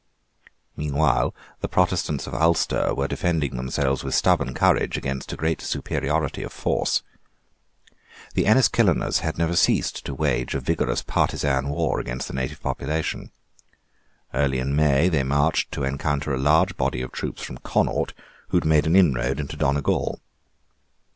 Meanwhile the Protestants of Ulster were defending themselves with stubborn courage against a great superiority of force. The Enniskilleners had never ceased to wage a vigorous partisan war against the native population. Early in May they marched to encounter a large body of troops from Connaught, who had made an inroad into Donegal.